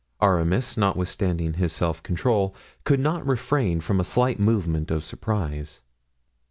Aramis, notwithstanding his self control, could not refrain from a slight movement of surprise.